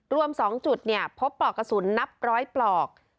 รวม๒จุดพบปลอกกระสุนนับร้อยปลอก